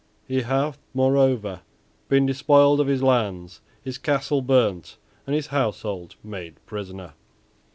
He hath moreover been despoiled of his lands, his castle burnt, and his household made prisoner."